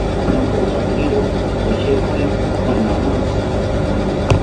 Nojokakiro osheki wanawontzi